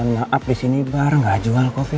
nah ini bagus andi